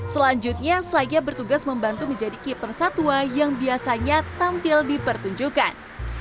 selanjutnya saya bertugas membantu menjadi keeper satwa yang biasanya tampil di pertunjukan